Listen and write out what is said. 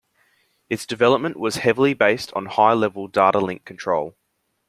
Its development was heavily based on High-Level Data Link Control.